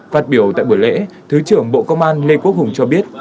phát biểu tại buổi lễ thứ trưởng bộ công an lê quốc hùng cho biết